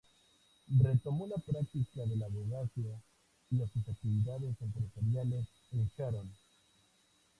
Retomó la práctica de la abogacía y sus actividades empresariales en Sharon.